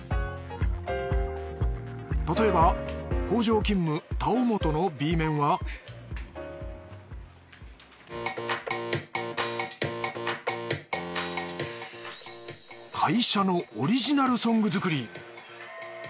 たとえば工場勤務峠本のＢ面は会社のオリジナルソング作り。